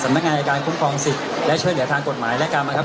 นักงานในการคุ้มครองสิทธิ์และช่วยเหลือทางกฎหมายและกรรมนะครับ